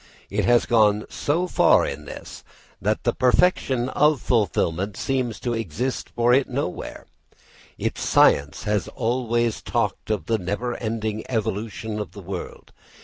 It has gone so far in this that the perfection of fulfilment seems to exist for it nowhere. Its science has always talked of the never ending evolution of the world.